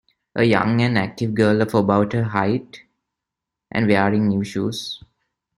A young and active girl of about her height, and wearing new shoes.